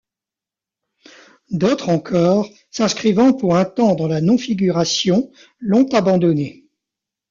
D'autres encore, s'inscrivant pour un temps dans la non-figuration, l'ont abandonnée.